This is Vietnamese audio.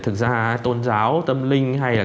thực ra tôn giáo tâm linh hay là